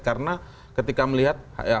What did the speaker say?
karena ketika melihat